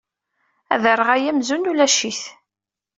Ad rreɣ aya amzun ulac-it.